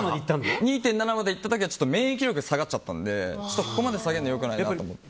２．７まで行った時はちょっと免疫力が下がっちゃったのでここまで下げるのは良くないなと思って。